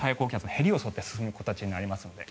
へりを沿って進む形になりますので。